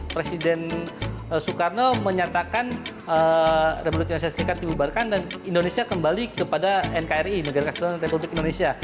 presiden soekarno menyatakan republik indonesia serikat diubahkan dan indonesia kembali kepada nkri